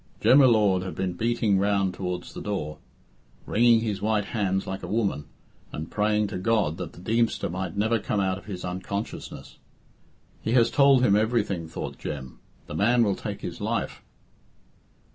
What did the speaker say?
Jem y Lord had been beating round towards the door, wringing his white hands like a woman, and praying to God that the Deemster might never come out of his unconsciousness. "He has told him everything," thought Jem. "The man will take his life."